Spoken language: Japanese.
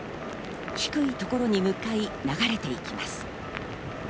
低いところに向かい、流れていきます。